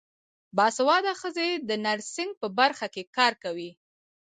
باسواده ښځې د نرسنګ په برخه کې کار کوي.